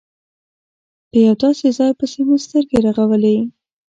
په یو داسې ځای پسې مو سترګې رغولې.